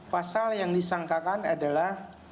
pasal yang disangkakan adalah